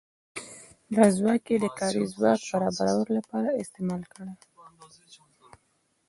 دا ځواک یې د کاري ځواک برابرولو لپاره استعمال کړ.